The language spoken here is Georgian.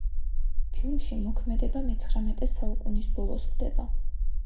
ფილმში მოქმედება მეცხრამეტე საუკუნის ბოლოს ხდება.